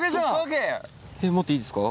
持っていいですか。